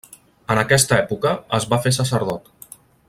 En aquesta època es va fer sacerdot.